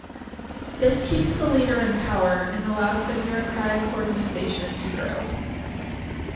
This keeps the leader in power, and allows the bureaucratic organization to grow.